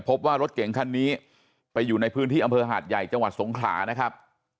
พบว่ารถเก่งคันนี้ไปอยู่ในพื้นที่อำเภอหาดใหญ่จังหวัดสงขลานะครับ